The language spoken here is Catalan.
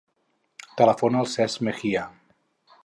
Telefona al Cesc Mejia.